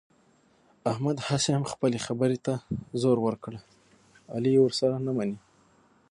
احمد هسې خپلې خبرې ته زور ور کړ، علي یې ورسره نه مني.